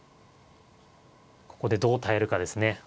ここでどう耐えるかですね。